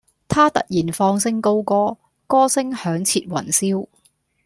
他突然放聲高歌，歌聲響徹雲霄